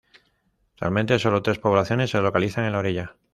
Actualmente, sólo tres poblaciones se localizan en la orilla.